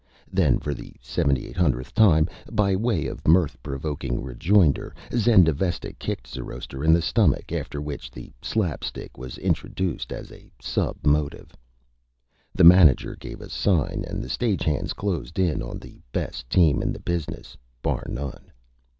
Then, for the 7,800th Time, by way of Mirth Provoking Rejoinder, Zendavesta kicked Zoroaster in the Stomach, after which the Slap Stick was introduced as a Sub Motive. The Manager gave a Sign and the Stage Hands Closed in on the Best Team in the Business, Bar None.